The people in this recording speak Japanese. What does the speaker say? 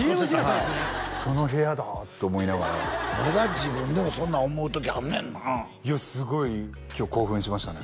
はい「その部屋だ」って思いながらまだ自分でもそんなん思う時あんねんないやすごい今日興奮しましたね